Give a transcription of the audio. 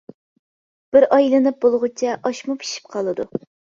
بىر ئايلىنىپ بولغۇچە ئاشمۇ پىشىپ قالىدۇ.